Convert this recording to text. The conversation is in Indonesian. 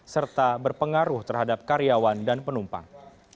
serta berpengaruh terhadap karyawan dan penumpang